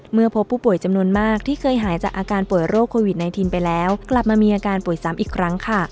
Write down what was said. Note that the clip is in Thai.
เมื่อพบผู้ป่วยจำนวนมากที่เคยหายจากอาการป่วยโรคโควิด๑๙ไปแล้วกลับมามีอาการป่วยซ้ำอีกครั้งค่ะ